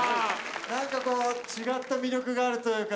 何かこう違った魅力があるというか。